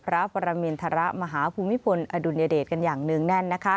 พระปรมินทรมาฮภูมิพลอดุลยเดชกันอย่างเนื่องแน่น